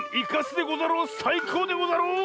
さいこうでござろう！